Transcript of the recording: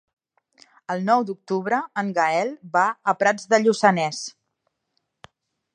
El nou d'octubre en Gaël va a Prats de Lluçanès.